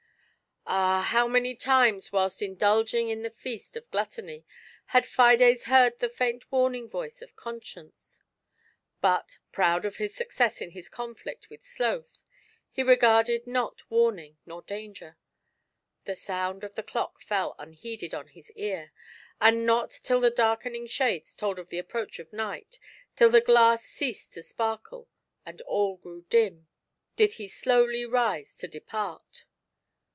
Ah, how many times, whilst indulging in the feast of Gluttony, had Fides heard the faint warning voice of Conscience ! but, proud of his success in his conflict with Sloth, he regarded not warning nor danger. The sound of the clock fell unheeded on his ear, and not till the darkening shades told of the approach of night, tiU the glass ceased to sparkle, and all grew dim, did he slowly rise to depart.